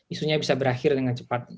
isunya bisa berakhir dengan cepat